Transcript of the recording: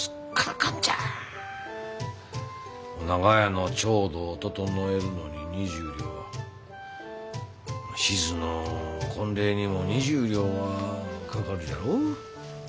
御長屋の調度を整えるのに２０両志津の婚礼にも２０両はかかるじゃろう？